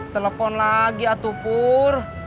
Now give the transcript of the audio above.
telepon lagi atu pur